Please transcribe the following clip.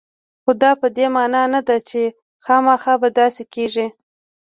خو دا په دې معنا نه ده چې خامخا به داسې کېږي